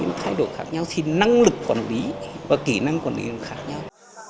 những thay đổi khác nhau thì năng lực quản lý và kỹ năng quản lý khác nhau